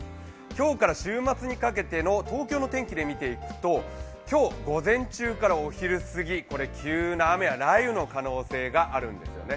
今日から週末にかけての東京の天気で見ていくと今日午前中からお昼過ぎ、急な雨や雷雨の可能性があるんですよね。